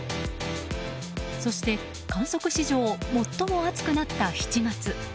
そして観測史上最も暑くなった７月。